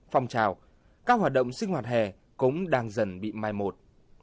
phong trào các hoạt động sinh hoạt hè cũng đang dần bị mai một